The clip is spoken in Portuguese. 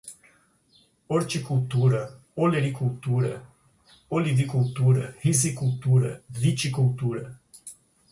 horticultura, olericultura, olivicultura, rizicultura, viticultura